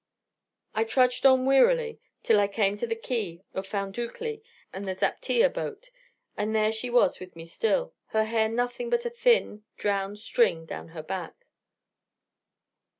I trudged on wearily till I came to the quay of Foundoucli, and the zaptia boat; and there she was with me still, her hair nothing but a thin drowned string down her back.